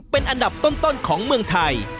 เป็นอันดับต้นของเมืองไทย